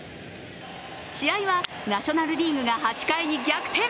試合はナショナル・リーグが８回に逆転。